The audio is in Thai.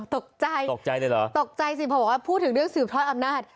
ตกใจตกใจเลยเหรอตกใจสิพอบอกว่าพูดถึงเรื่องสืบทอดอำนาจ